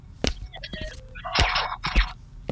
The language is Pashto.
دښمن ته دروند تاوان ورسېد